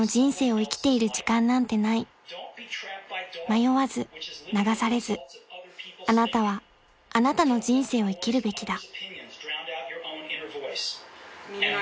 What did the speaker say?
［迷わず流されずあなたはあなたの人生を生きるべきだ］